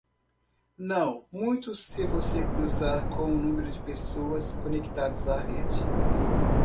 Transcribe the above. Não muito se você cruzar com o número de pessoas conectadas à rede.